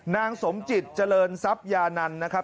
นางสมจิตเจริญทรัพยานันต์นะครับ